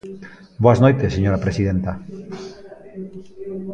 Boas noites, señora presidenta.